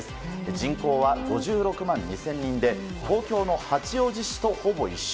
人口は５６万２０００人で東京の八王子市とほぼ一緒。